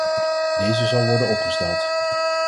Deze zal worden opgesteld.